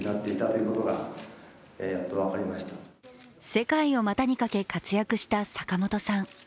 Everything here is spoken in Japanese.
世界を股にかけ活躍した坂本さん。